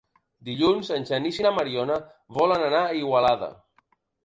Dilluns en Genís i na Mariona volen anar a Igualada.